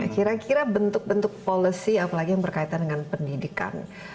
kira kira bentuk bentuk policy apalagi yang berkaitan dengan pendidikan